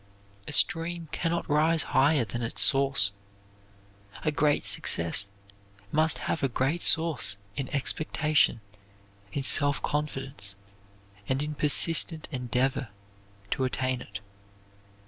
A stream can not rise higher than its source. A great success must have a great source in expectation, in self confidence, and in persistent endeavor to attain it.